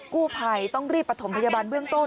กู้ภัยต้องรีบประถมพยาบาลเบื้องต้น